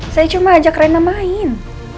saya cuma ajak rena main